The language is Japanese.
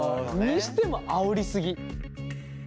にしてもあおり過ぎ。